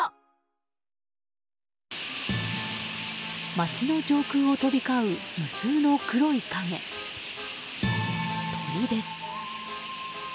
街の上空を飛び交う無数の黒い影鳥です。